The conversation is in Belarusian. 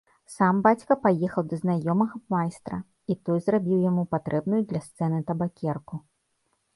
Сам бацька паехаў да знаёмага майстра, і той зрабіў яму патрэбную для сцэны табакерку.